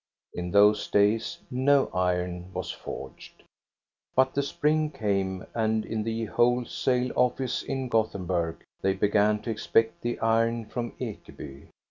In those days no iron was forged. But the spring came and in the wholesale office in Gothenburg they began to expect the iron from Ekeby.